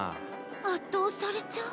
圧倒されちゃう。